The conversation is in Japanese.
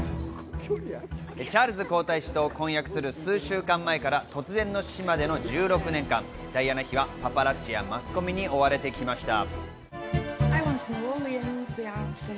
チャールズ皇太子と婚約する数週間前から突然の死までの１６年間、ダイアナ妃はパパラッチやマスコミに追われてきました。